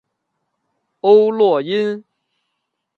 欧络因。